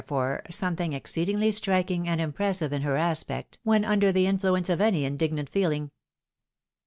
fore, something exceedingly striking and impressive in her aspect when under the influence of any indignant feehng.